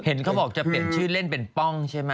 เห็นเขาบอกจะเปลี่ยนชื่อเล่นเป็นป้องใช่ไหม